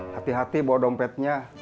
hati hati bawa dompetnya